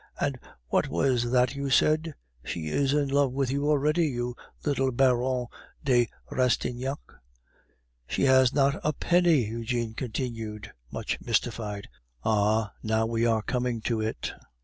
"And what was that you said?" "She is in love with you already, your little Baronne de Rastignac!" "She has not a penny," Eugene continued, much mystified. "Ah! now we are coming to it!